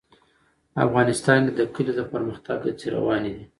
افغانستان کې د کلي د پرمختګ هڅې روانې دي.